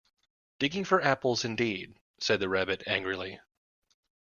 ‘Digging for apples, indeed!’ said the Rabbit angrily.